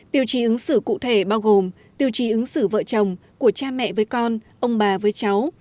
tiêu chí ứng xử cụ thể bao gồm tiêu chí ứng xử vợ chồng của cha mẹ với con ông bà với cháu